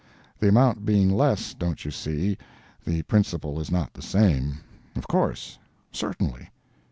[The amount being less, don't you see, the principle is not the same. Of course. Certainly.